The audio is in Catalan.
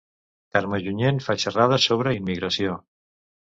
Carme Junyent fa xerrades sobre immigració